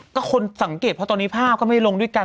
ก็คนสังเกตเพราะตอนนี้ภาพก็ไม่ลงด้วยกัน